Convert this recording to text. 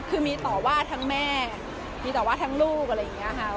คือมีต่อว่าทั้งแม่มีต่อว่าทั้งลูกอะไรอย่างนี้ค่ะ